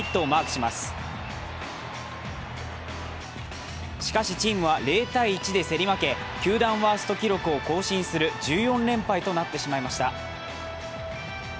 しかしチームは０−１で競り負け、球団ワースト記録を更新する１４連敗となってしまいました。